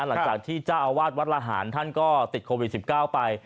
หลังจากที่เจ้าอาวาสวัดละหารท่านก็ติดโควิด๑๙ไป